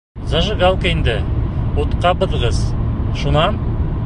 Зажигалка инде, утҡабыҙғыс, шунан?